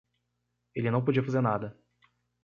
Ele não podia fazer nada